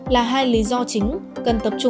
là hai lý do chính